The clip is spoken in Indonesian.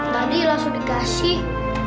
tadi langsung dikasih